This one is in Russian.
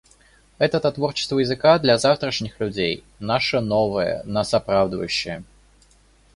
Это-то творчество языка для завтрашних людей — наше новое, нас оправдывающее.